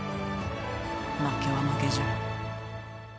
負けは負けじゃ。